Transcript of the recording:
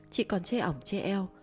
chị còn che ổng che eo